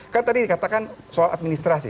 kan tadi dikatakan soal administrasi